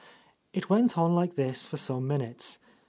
." It went on like this for some minutes.